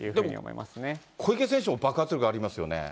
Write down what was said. でも、小池選手も爆発力ありますよね。